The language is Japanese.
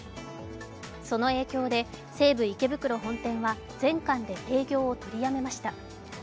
その影響で西武池袋本店は全館で営業を取りやめました。